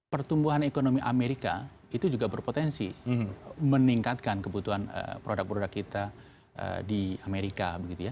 pertumbuhan ekonomi amerika itu juga berpotensi meningkatkan kebutuhan produk produk kita di amerika